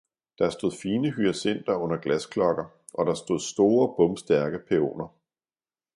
Der stod fine hyacinter under glasklokker, og der stod store bomstærke pæoner.